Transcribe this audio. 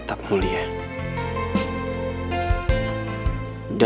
kenapa sampe wondet lagi